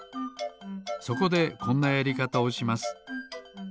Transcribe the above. そこでこんなやりかたをします。